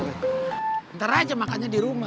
ntar aja makannya dirumah